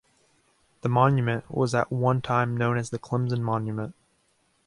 The monument was at one time known as the Clemson Monument.